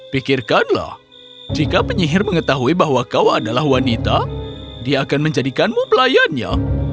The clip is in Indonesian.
pikirkanlah jika penyihir mengetahui bahwa kau adalah wanita dia akan menjadikanmu pelayannya